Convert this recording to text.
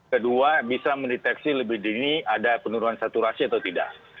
kedua bisa mendeteksi lebih dini ada penurunan saturasi atau tidak